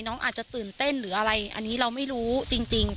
น้องอาจจะตื่นเต้นหรืออะไรอันนี้เราไม่รู้จริง